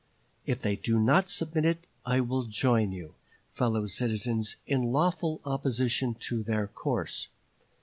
If they do not submit it, I will join you, fellow citizens, in lawful opposition to their course.